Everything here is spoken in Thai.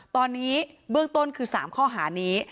ตอนนี้เบื้องต้นคือ๓ข้อหานี้